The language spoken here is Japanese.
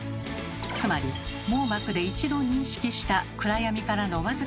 つまり網膜で一度認識した暗闇からの僅かな光が